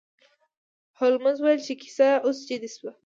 هولمز وویل چې کیسه اوس جدي شوه.